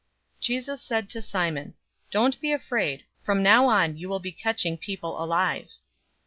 Jesus said to Simon, "Don't be afraid. From now on you will be catching people alive."